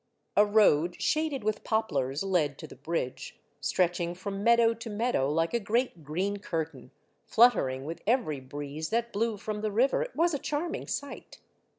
A road shaded with poplars led to the bridge, stretching from meadow to meadow, like a great green curtain, fluttering with every breeze that blew from the river. It was a charming sight.